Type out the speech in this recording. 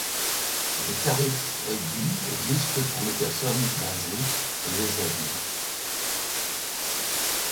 Des tarifs réduits existent pour les personnes âgées et les jeunes.